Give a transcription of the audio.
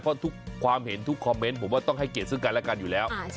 เพราะทุกความเห็นทุกคอมเมนต์ผมว่าต้องให้เกียรติซึ่งกันและกันอยู่แล้ว